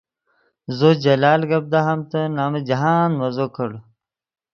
زو جلال گپ دہامتے نمن جاہند مزو کڑ